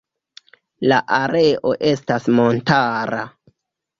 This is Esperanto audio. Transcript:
La areo estas montara.